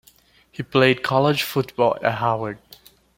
He played college football at Howard.